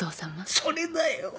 それだよ！